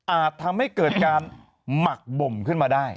ทำให้เกิดการหมักบ่มขึ้นมาได้